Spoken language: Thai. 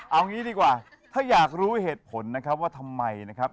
เอางี้ดีกว่าถ้าอยากรู้เหตุผลนะครับว่าทำไมนะครับ